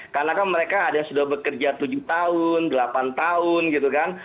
karena kan mereka sudah ada yang bekerja tujuh tahun delapan tahun gitu kan